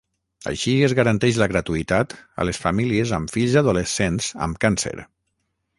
Així es garanteix la gratuïtat a les famílies amb fills adolescents amb càncer.